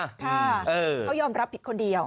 เขายอมรับผิดคนเดียว